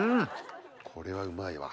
これはうまいわ。